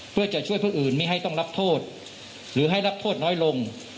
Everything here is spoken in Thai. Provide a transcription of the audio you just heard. เพื่อจะช่วยผู้อื่นไม่ให้ต้องรับโทษหรือให้รับโทษน้อยลง